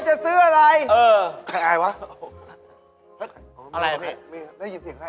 อะไรครับ